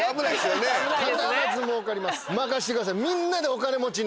任せてください。